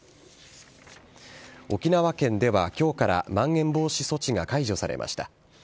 沖縄県ではきょうからまん延防止措置が解除されました。